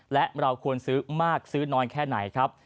และเราควรซื้อมากซื้อน้อยแค่ไหนครับ